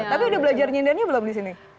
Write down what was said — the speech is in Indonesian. tapi udah belajar nyindannya belum disini